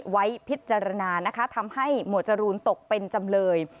ไว้พิจารณานะคะทำให้หมวดจรูนตกเป็นจำเลย